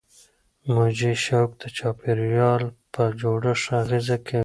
موجي شوک د چاپیریال په جوړښت اغېزه کوي.